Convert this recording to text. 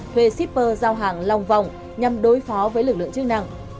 thuê shipper giao hàng long vòng nhằm đối phó với lực lượng chức năng